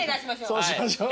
そうしましょう。